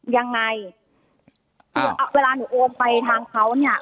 ยังไงเวลาหนูโอนไปทางเขาเนี่ย